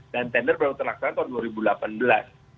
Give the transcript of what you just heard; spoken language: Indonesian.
dan tender baru terlaksana pada tahun dua ribu delapan belas